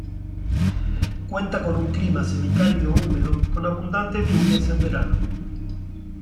Cuenta con un clima semicálido húmedo con abundantes lluvias en verano.